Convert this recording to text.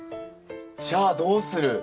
じゃあどうする。